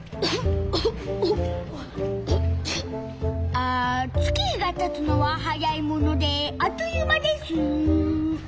あ月日がたつのははやいものであっという間です。